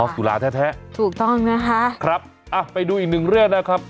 ค่ะถูกต้องนะฮะออกสุราแท้ครับไปดูอีกหนึ่งเรื่องนะครับ